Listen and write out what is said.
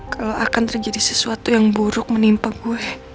kalau akan terjadi sesuatu yang buruk menimpa gue